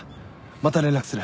また連絡する。